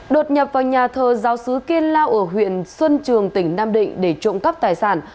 đột nhập vào nhà thờ giáo sứ kiên lao ở huyện xuân trường tỉnh nam định để trộm cắp tài sản